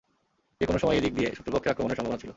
যে কোন সময় এ দিক দিয়ে শত্রুপক্ষের আক্রমণের সম্ভাবনা ছিল।